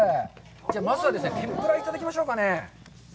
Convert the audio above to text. まずは天ぷら、いただきましょうかね。